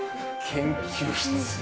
研究室。